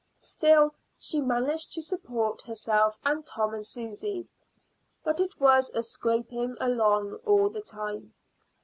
Still, she managed to support herself and Tom and Susy; but it was a scraping along all the time.